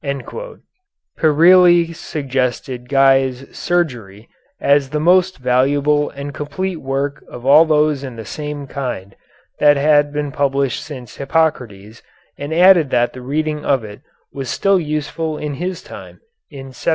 Peyrihle considered Guy's "Surgery" as the most valuable and complete work of all those of the same kind that had been published since Hippocrates and added that the reading of it was still useful in his time in 1784.